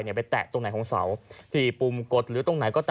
แล้วยังไงล่ะคะ